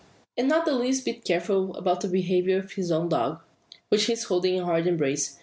And not the less to be careful about the behaviour of his own dog, which he is holding in hard embrace.